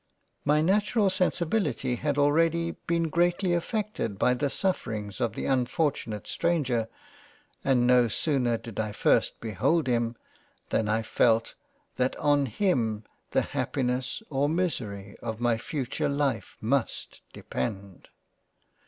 My natural sensibility had already been greatly affected by the sufferings of the unfortunate stranger and no sooner did I first behold him, than I felt that on him the happiness or Misery of my future Life must depend.